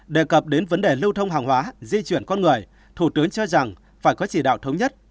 đề cập đến vấn đề lưu thông hàng hóa di chuyển con người thủ tướng cho rằng phải có chỉ đạo thống nhất